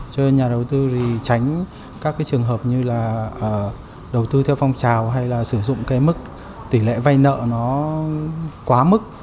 cho nên nhà đầu tư thì tránh các cái trường hợp như là đầu tư theo phong trào hay là sử dụng cái mức tỷ lệ vay nợ nó quá mức